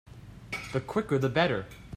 The quicker the better.